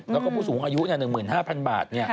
แล้วก็ผู้สูงอายุ๑๕๐๐๐บาท